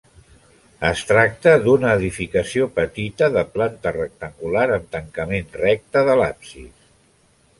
Es tracta d'una edificació petita de planta rectangular, amb tancament recte de l'absis.